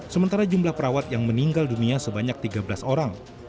sementara jumlah perawat yang meninggal dunia sebanyak tiga belas orang